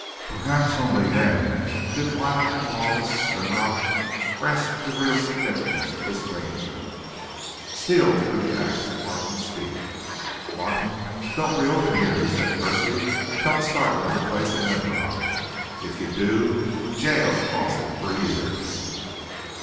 Perhaps only then did wild and lawless Linrock grasp the real significance of this Ranger. Steele threw the ax at Martin's feet. "Martin, don't reopen here," he said curtly. "Don't start another place in Linrock. If you do jail at Austin for years."